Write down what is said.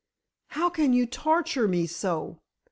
"How can you torture me so?